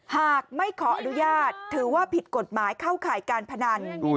หากไม่ขออนุญาตถือว่าผิดกฎหมายเข้าข่ายการพนัน